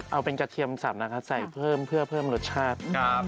เอาเป็นกระเทียมสับนะคะใส่เพิ่มเพื่อเพิ่มรสชาติ